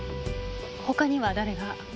他には誰が？